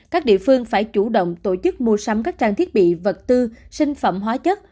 các địa phương phải chủ động tổ chức mua sắm các trang thiết bị vật tư sinh phẩm hóa chất